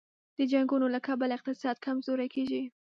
د جنګونو له کبله اقتصاد کمزوری کېږي.